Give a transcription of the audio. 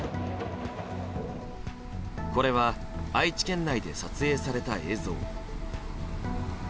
これは愛知県内で撮影された映像。